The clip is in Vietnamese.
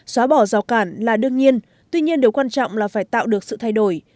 xóa bỏ rào cản là đương nhiên tuy nhiên điều quan trọng là phải tạo được sự thay đổi